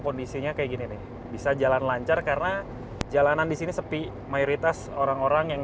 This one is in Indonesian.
kondisinya kayak gini nih bisa jalan lancar karena jalanan disini sepi mayoritas orang orang yang